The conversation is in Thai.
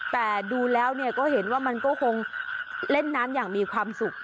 แต่ดูแล้วก็เห็นว่ามันก็คงเล่นน้ำอย่างมีความสุข